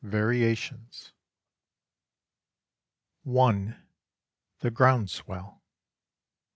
VARIATIONS (1) THE GROUNDSWELL.